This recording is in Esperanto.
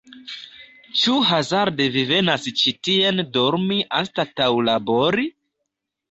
Ĉu hazarde Vi venas ĉi tien dormi anstataŭ labori?